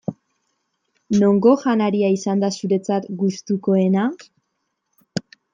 Nongo janaria izan da zuretzat gustukoena?